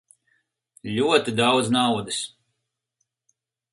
Ļoti daudz naudas.